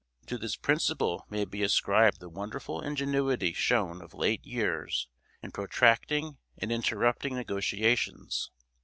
To this principle may be ascribed the wonderful ingenuity shown of late years in protracting and interrupting negotiations.